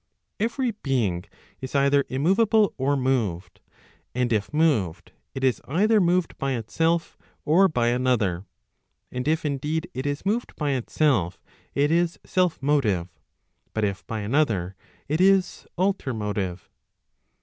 ' Every being is either immoveable or moved. And if moved, it is either moved by itself, or by another. And if indeed it is moved by itself, it is self motive; but if by another, it is alter motive.